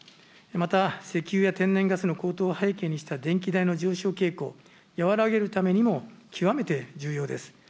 また石油や天然ガスの高騰を背景にした電気代の上昇傾向を和らげるためにも、極めて重要です。